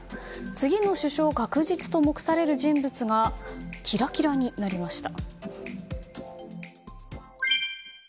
次の首相確実と目される人物がキラキラになりました。